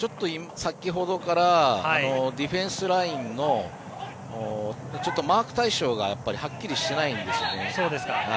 先ほどからディフェンスラインのマーク対象がはっきりしないんですよね。